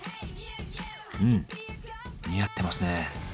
うん似合ってますね。